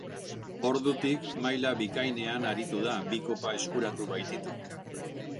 Ordutik maila bikainean aritu da, bi kopa eskuratu baititu.